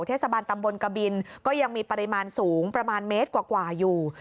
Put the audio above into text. เทศบาลตำบลกบินก็ยังมีปริมาณสูงประมาณเมตรกว่าอยู่